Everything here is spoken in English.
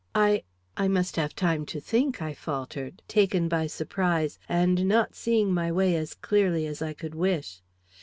"I I must have time to think," I faltered, taken by surprise, and not seeing my way as clearly as I could wish.